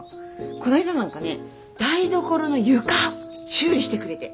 こないだなんかね台所の床修理してくれて。